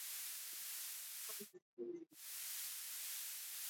Benye sheria ya inchi bana katala kuzisha mashamba